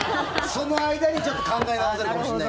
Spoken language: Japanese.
その間に、ちょっと考え直せるかもしれない。